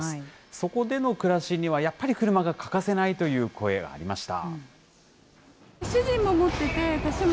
そこでの暮らしには、やっぱり車が欠かせないという声がありました。